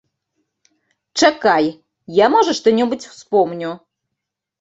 Чакай, я, можа, што-небудзь успомню.